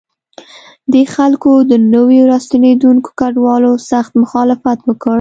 دې خلکو د نویو راستنېدونکو کډوالو سخت مخالفت وکړ.